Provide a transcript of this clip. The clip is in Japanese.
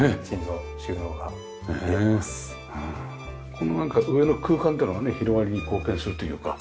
この上の空間っていうのがね広がりに貢献するというか。